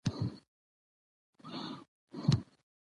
دکوز کلي شفيق سره يې لفظي شخړه وه .